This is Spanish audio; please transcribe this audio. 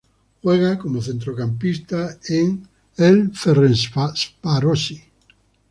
Juega como centrocampista en el Ferencvárosi.